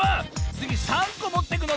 つぎ３こもってくの？